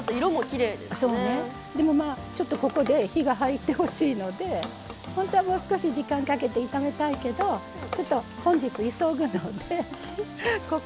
でもまあちょっとここで火が入ってほしいのでほんとはもう少し時間かけて炒めたいけどちょっと本日急ぐのでここでバターもありますか？